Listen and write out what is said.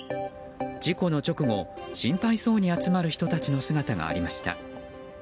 事故の直後、心配そうに集まる人たちの姿がありました。